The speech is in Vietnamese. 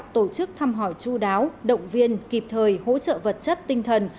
tổ chức thăm hỏi chú đáo động viên kịp thời hỗ trợ vật chất tinh thần